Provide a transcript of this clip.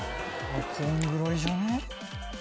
こんぐらいじゃね？